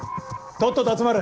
とっとと集まれ。